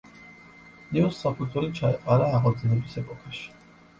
ნიუს საფუძველი ჩაეყარა აღორძინების ეპოქაში.